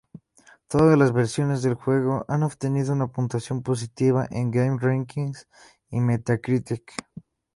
Todas las versiones del juego han obtenido una puntuación positiva en GameRankings y Metacritic.